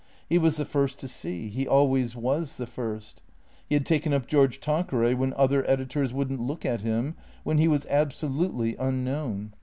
He was the first to see; he always was the first. He had taken up George Tanqueray when other editors would n't look at him, when he was absolutely un known.